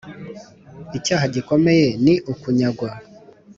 icyaha gikomeye ni ukunyagwa